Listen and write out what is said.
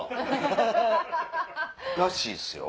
らしいっすよ